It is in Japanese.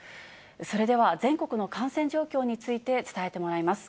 それでは、全国の感染状況について伝えてもらいます。